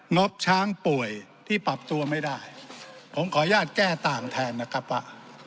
งบช้างป่วยที่ปรับตัวไม่ได้ผมขออนุญาตแก้ต่างแทนนะครับว่า